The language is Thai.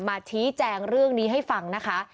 ชี้แจงเรื่องนี้ให้ฟังนะคะ